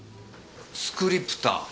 スクリプター？